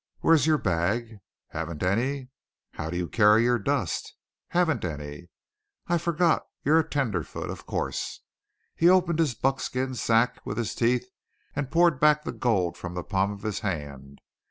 Where's your bag? Haven't any? How do you carry your dust? Haven't any? I forgot; you're a tenderfoot, of course." He opened his buckskin sack with his teeth, and poured back the gold from the palm of his hand.